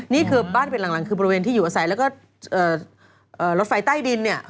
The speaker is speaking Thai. นี่คือบ้านที่เป็นหลังคือบริเวณที่อยู่อาศัยแล้วก็รถไฟใต้ดินเนี่ย